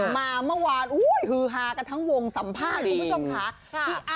มาเมื่อวานฮือฮากันทั้งวงสัมภาษณ์คุณผู้ชมค่ะ